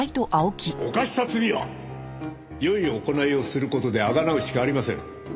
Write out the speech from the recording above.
犯した罪は善い行いをする事であがなうしかありません。